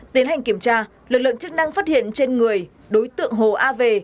tiến hành kiểm tra lực lượng chức năng phát hiện trên người đối tượng hồ a về